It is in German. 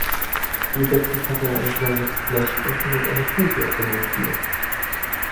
Zusätzlich hatte er ein kleines Splash-Becken und eine Kuhglocke montiert.